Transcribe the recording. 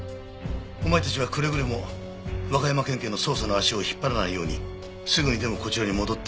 お前たちはくれぐれも和歌山県警の捜査の足を引っ張らないようにすぐにでもこちらに戻って。